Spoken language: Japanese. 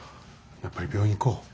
やっぱり病院行こう。